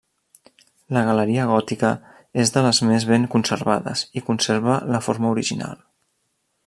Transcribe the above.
La galeria gòtica és de les més ben conservades, i conserva la forma original.